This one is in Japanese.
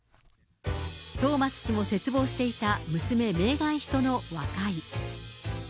トーマス氏も切望していた娘、メーガン妃との和解。